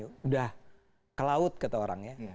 sudah ke laut kata orangnya